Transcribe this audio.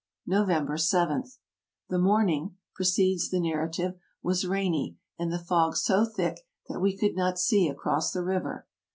"November J. — The morning," proceeds the narra tive, " was rainy, anH the fog so thick that we could not see across the river.